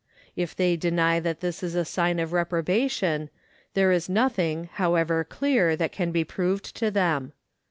If they deny that this is a sign of reprobation, there is nothing, however clear, that can be proved to them.